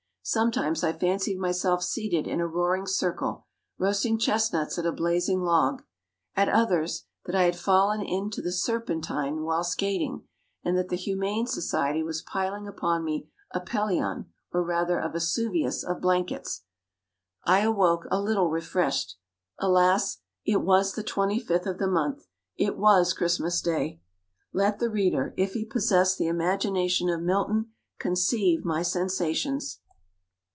Sometimes I fancied myself seated in a roaring circle, roasting chestnuts at a blazing log: at others, that I had fallen into the Serpentine while skating, and that the Humane Society were piling upon me a Pelion, or rather a Vesuvius of blankets. I awoke a little refreshed. Alas! it was the twenty fifth of the month It was Christmas Day! Let the reader, if he possess the imagination of Milton, conceive my sensations.